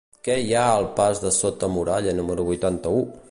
Què hi ha al pas de Sota Muralla número vuitanta-u?